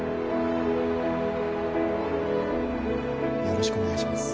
よろしくお願いします。